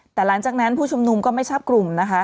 แต่หลังจากนั้นผู้ชุมนุมก็ไม่ทราบกลุ่มนะคะ